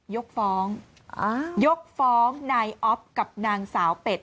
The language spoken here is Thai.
ยกฟ้องยกฟ้องนายอ๊อฟกับนางสาวเป็ด